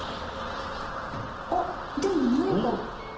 あっでも何か。